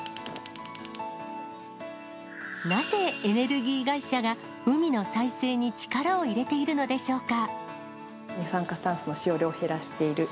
なぜエネルギー会社が、海の再生に力を入れているのでしょうか。